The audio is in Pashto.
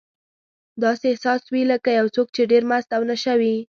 داسې احساس وي لکه یو څوک چې ډېر مست او نشه وي.